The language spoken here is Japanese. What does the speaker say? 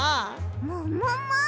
ももも！